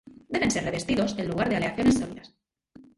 Deben ser revestidos en lugar de aleaciones sólidas.